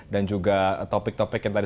dan juga topik topik yang tadi